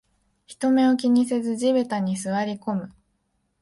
人目を気にせず地べたに座りこむ